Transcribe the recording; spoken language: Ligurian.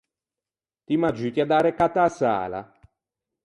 Ti m’aggiutti à dâ recatto a-a sala?